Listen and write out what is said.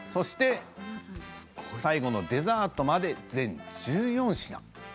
最後のデザートまで全１４品。